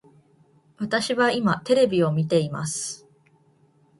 私は今テレビを見ています